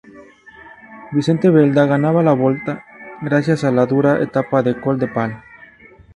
Vicente Belda ganaba la "Volta" gracias a la dura etapa de Coll de Pal.